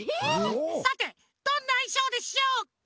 さてどんないしょうでしょうか？